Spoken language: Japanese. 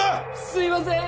すいません！